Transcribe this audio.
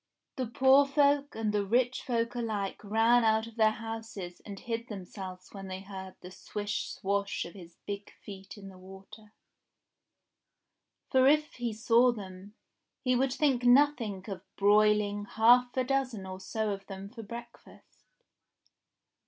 The poor folk and the rich folk alike ran out of their houses and hid themselves when they heard the swish swash of his big feet in the water ; for if he saw them, he would think nothing of broiling half a dozen or so of them for breakfast.